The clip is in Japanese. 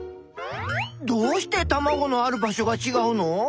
どうしてたまごのある場所がちがうの？